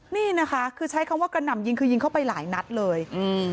นี่นะคะคือใช้คำว่ากระหน่ำยิงคือยิงเข้าไปหลายนัดเลยอืม